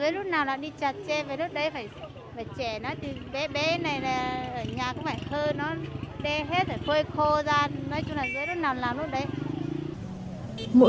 dưới lúc nào là đi trà tre về lúc đấy phải trẻ nó bé này ở nhà cũng phải khơi nó đe hết phải khơi khô ra nói chung là dưới lúc nào là làm lúc đấy